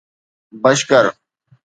بشڪر